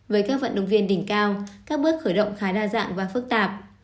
với các vận động viên đỉnh cao các bước khởi động khá đa dạng và phức tạp